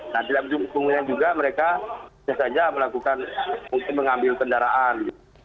nah di dalam penggunaan juga mereka bisa saja melakukan pengambil kendaraan